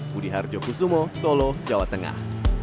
budi harjo kusumo solo jawa tengah